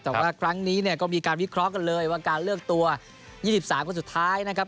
แต่ว่าครั้งนี้เนี่ยก็มีการวิเคราะห์กันเลยว่าการเลือกตัว๒๓คนสุดท้ายนะครับ